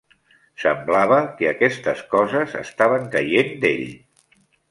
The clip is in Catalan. Semblava que aquestes coses estaven caient d'ell.